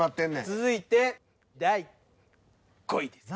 続いて第５位です。